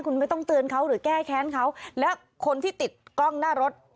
คุณไม่ต้องเตือนเขาหรือแก้แค้นเขาและคนที่ติดกล้องหน้ารถ